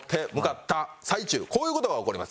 こういう事が起こります。